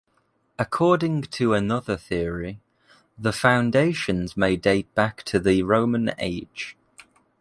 According to another theory, the foundations may date back to the Roman Age.